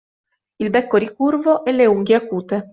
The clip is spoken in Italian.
Il becco ricurvo e le unghie acute.